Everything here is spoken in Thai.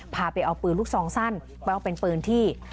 พาไปเอาปืนลูกซองสั้นไม่ว่าเป็นปืนที่